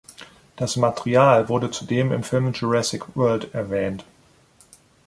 Das Material wurde zudem im Film Jurassic World erwähnt.